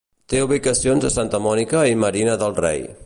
Té ubicacions a Santa Monica i Marina Del Rey.